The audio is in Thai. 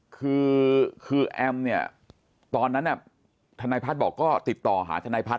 คือคือแอมเนี่ยตอนนั้นทนายพัฒน์บอกก็ติดต่อหาทนายพัฒ